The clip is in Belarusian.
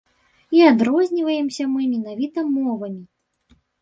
І адрозніваемся мы менавіта мовамі.